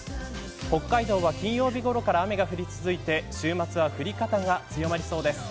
北海道は金曜日ごろから雨が降り続いて、週末は降り方が強まりそうです。